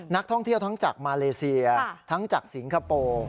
นักท่องเที่ยวทั้งจากมาเลเซียทั้งจากสิงคโปร์